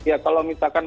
ya kalau misalkan